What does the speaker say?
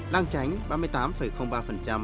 làng chánh ba mươi tám ba và một mươi chín một mươi hai